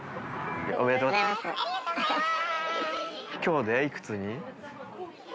ありがとうございます。